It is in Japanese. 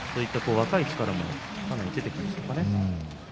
若い力も、かなり出てきました。